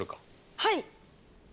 はい！